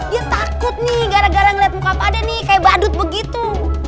dia takut nih gara gara ngeliat muka pak de nih kayak badut begitu